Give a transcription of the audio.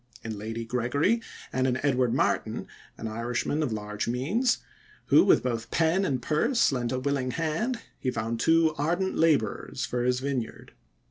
In Lady Gregory, and in Edward Martyn, an Irishman of large means, who with both pen and purse lent a willing hand, he found two ardent laborers for his vineyard.